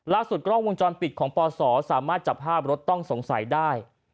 กล้องวงจรปิดของปศสามารถจับภาพรถต้องสงสัยได้